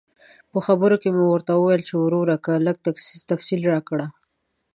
په خبرو کې مې ورته وویل چې ورورکه لږ تفصیل راکړه.